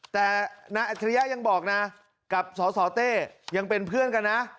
แต่นายอัจฉริยะยังบอกนะกับสสเต้ยังเป็นเพื่อนกันนะ